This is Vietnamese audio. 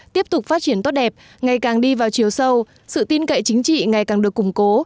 tiếp tục phát triển tốt đẹp ngày càng đi vào chiều sâu sự tin cậy chính trị ngày càng được củng cố